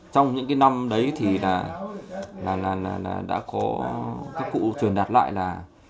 trong những năm đấy thì đã có các cụ truyền đạt lại là